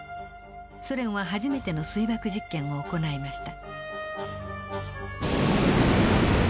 ソ連は初めての水爆実験を行いました。